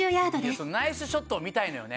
そのナイスショットを見たいのよね。